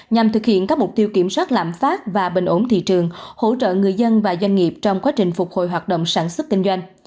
nhằm thực hiện các mục tiêu kiểm soát lãm phát và bình ổn thị trường hỗ trợ người dân và doanh nghiệp trong quá trình phục hồi hoạt động sản xuất kinh doanh